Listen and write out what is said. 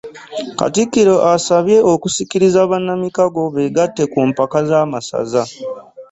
Katikkiro asabye okusikiriza bannamikago beegatte ku mpaka z'amasaza.